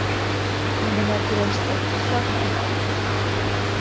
Ә бына көрәшсе саҡ ҡасты...